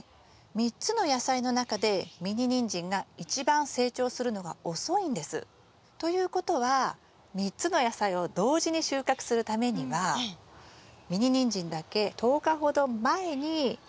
３つの野菜の中でミニニンジンが一番成長するのが遅いんです。ということは３種類の野菜を同時に収穫するためにはタネまき時期をずらす必要があります。